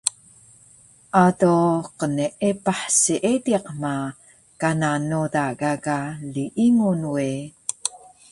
Ado qneepah seediq ma, kana noda gaga liingun we